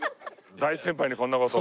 大先輩にこんな事を。